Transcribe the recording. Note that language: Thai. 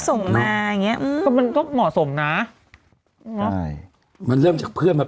ส่งมาอย่างเงี้อืมก็มันก็เหมาะสมนะใช่มันเริ่มจากเพื่อนมา